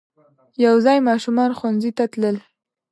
یو ځای ماشومان ښوونځی ته تلل.